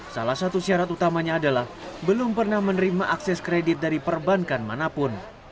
salah satu syarat utamanya adalah belum pernah menerima akses kredit dari perbankan manapun